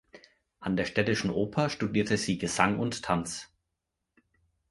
An der Städtischen Oper studierte sie Gesang und Tanz.